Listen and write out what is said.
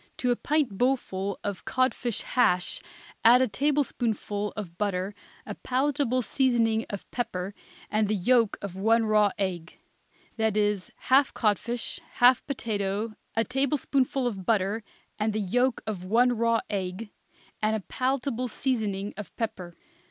To a pint bowlful of codfish hash add a tablespoonful of butter, a palatable seasoning of pepper and the yolk of one raw egg. That is, half codfish, half potato, a tablespoonful of butter and the yolk of one raw egg, and a palatable seasoning of pepper.